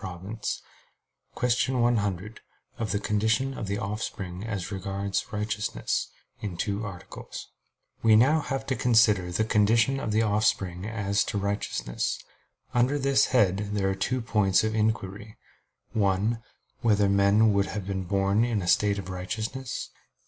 _______________________ QUESTION 100 OF THE CONDITION OF THE OFFSPRING AS REGARDS RIGHTEOUSNESS (In Two Articles) We now have to consider the condition of the offspring as to righteousness. Under this head there are two points of inquiry: (1) Whether men would have been born in a state of righteousness?